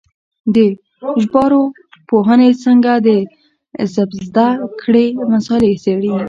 د ژبارواپوهنې څانګه د ژبزده کړې مسالې څېړي